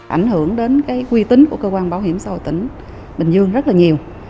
ảnh hưởng đến quy tính của cơ quan bảo hiểm xã hội tỉnh bình dương rất là nhiều